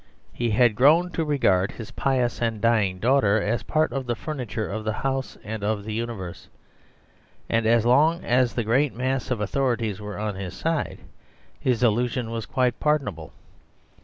He had grown to regard his pious and dying daughter as part of the furniture of the house and of the universe. And as long as the great mass of authorities were on his side, his illusion was quite pardonable.